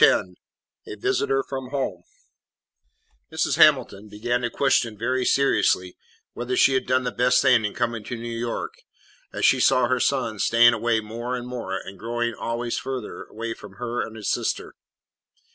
X A VISITOR FROM HOME Mrs. Hamilton began to question very seriously whether she had done the best thing in coming to New York as she saw her son staying away more and more and growing always farther away from her and his sister.